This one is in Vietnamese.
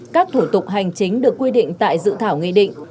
các thủ tục hành chính được quy định tại dự thảo nghị định